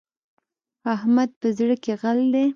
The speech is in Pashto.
احمد په زړه کې غل دی.